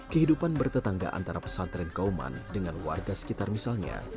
kehidupan bertetangga antara pesantren kauman dengan warga sekitar misalnya